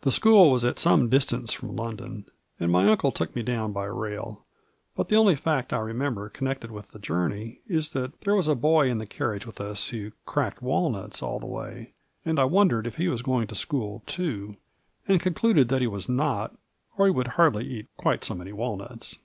The school was at some distance from London, and my uncle took me down by rail ; but the only fact I remember connected with the journey is that there was a boy in the carriage with us who cracked walnuts all the way, and I wondered if he was going to school, too, and concluded that he was not, or he would hardly eat quite so many walnuts.